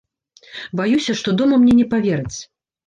Баюся, што дома мне не павераць.